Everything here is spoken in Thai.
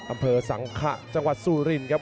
อำเภอสังขะจังหวัดสุรินครับ